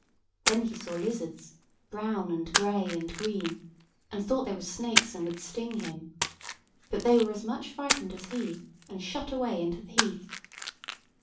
Then he saw lizards, brown and gray and green, and thought they were snakes, and would sting him; but they were as much frightened as he, and shot away into the heath.